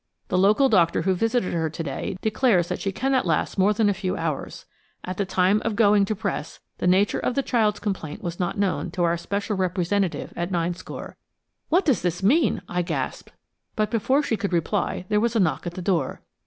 The local doctor who visited her to day declares that she cannot last more than a few hours. At the time of going to press the nature of the child's complaint was not known to our special representative at Ninescore." "What does this mean?" I gasped. But before she could reply there was a knock at the door.